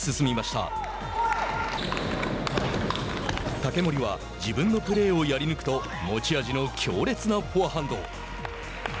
竹守は自分のプレーをやり抜くと持ち味の強烈なフォアハンド。